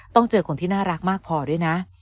เจอคนที่น่ารักมากพอด้วยนะ